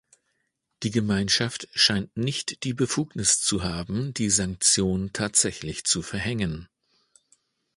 Die Gemeinschaft scheint nicht die Befugnis zu haben, die Sanktion tatsächlich zu verhängen.